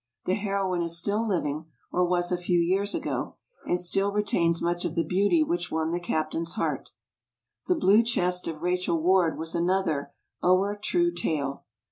The heroine is still living, or was a few years ago, and still retains much of the beauty which won the Captain's hean. "The Blue Chest of Rachel Ward" was another "ower true tale."